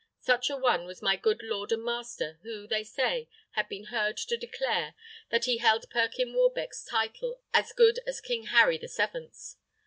Such a one was my good lord and master, who, they say, had been heard to declare, that he held Perkyn Warbeck's title as good as King Harry the Seventh's.